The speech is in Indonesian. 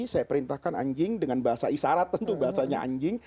saya perintahkan anjing dengan bahasa isyarat tentu bahasanya anjing